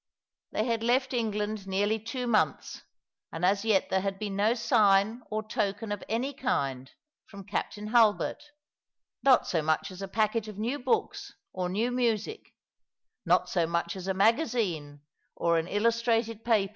They had left England nearly two months, and as yet there had been no sign or token of any kind from Captain Hulbert, not so much as a packet of new books or new music — not so much as a magazine or an illustrated paper.